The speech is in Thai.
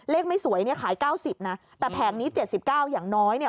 ไม่สวยเนี่ยขาย๙๐นะแต่แผงนี้๗๙อย่างน้อยเนี่ย